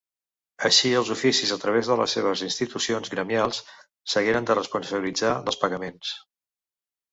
Així els oficis, a través de les seves institucions gremials, s'hagueren de responsabilitzar dels pagaments.